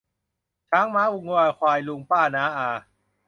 ช้างม้าวัวควาย ลุงป้าน้าอา